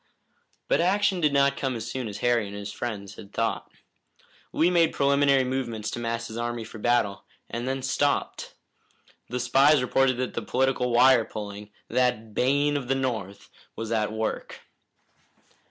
But action did not come as soon as Harry and his friends had thought. Lee made preliminary movements to mass his army for battle, and then stopped. The spies reported that political wire pulling, that bane of the North, was at work.